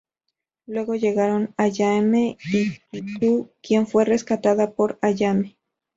Luego llegaron Ayame y Kiku, quien fue rescatada por Ayame.